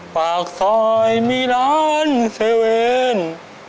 ปากซอยมีร้อนเซเวน